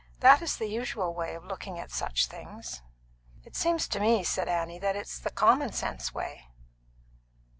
"That is the usual way of looking at such things." "It seems to me," said Annie, "that it's the common sense way."